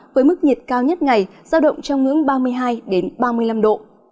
với mức nhiệt cao nhất ngày sao động trong ngưỡng ba mươi hai đến ba mươi năm độ